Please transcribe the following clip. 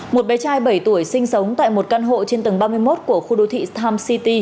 một bé trai bảy tuổi sinh sống tại một căn hộ trên tầng ba mươi một của khu đô thị tom city